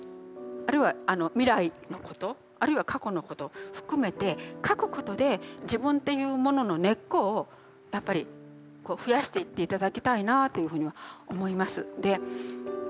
あるいは未来のことあるいは過去のこと含めて書くことで自分というものの根っこをやっぱり増やしていって頂きたいなというふうには思います。